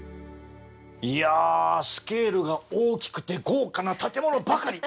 いやスケールが大きくて豪華な建物ばかり。